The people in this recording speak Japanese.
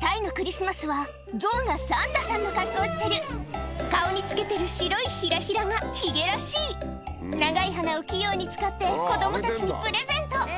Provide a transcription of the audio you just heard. タイのクリスマスは象がサンタさんの格好をしてる顔につけてる白いヒラヒラがヒゲらしい長い鼻を器用に使って子供たちにプレゼント